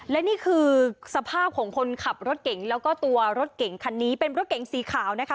และนี่คือสภาพของคนขับรถเก่งแล้วก็ตัวรถเก่งคันนี้เป็นรถเก๋งสีขาวนะคะ